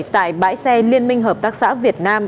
tại bãi xe liên minh hợp tác xã việt nam